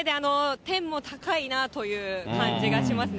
てんも高いなという感じがしますね。